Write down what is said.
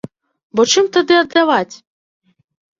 Бо чым тады аддаваць?